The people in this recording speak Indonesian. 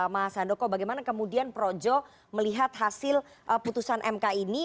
mahasandoko bagaimana kemudian projo melihat hasil putusan mk ini